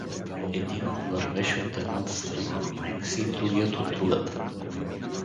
Единът вървеше от едната страна на майка си, другият от другата.